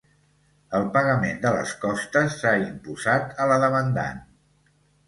El pagament de les costes s’ha imposat a la demandant.